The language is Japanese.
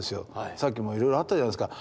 さっきもいろいろあったじゃないですか。